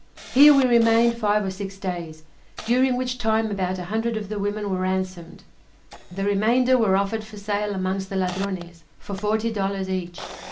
Here we remained five or six days, during which time about a hundred of the women were ransomed; the remainder were offered for sale amongst the Ladrones, for forty dollars each.